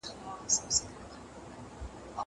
وخت تنظيم کړه.